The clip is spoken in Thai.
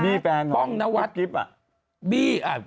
บี้แฟนของคลุปกริปอ่ะป้องนวัฒน์